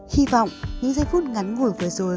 hy vọng những giây phút ngắn ngủi vừa rồi